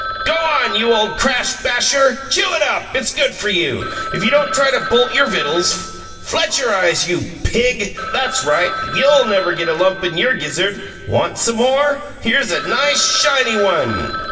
"Go on, you old crash basher! Chew it up! It's good for you, if you don't try to bolt your vittles. Fletcherize, you pig! That's right YOU'LL never get a lump in your gizzard. Want some more? Here's a nice, shiny one."